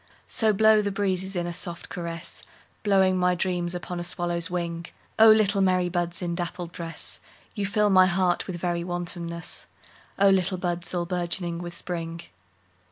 So blow the breezes in a soft caress, Blowing my dreams upon a swallow's wing;O little merry buds in dappled dress, You fill my heart with very wantonness—O little buds all bourgeoning with Spring!